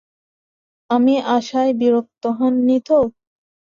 আমি আসায় বিরক্ত হন নি তো?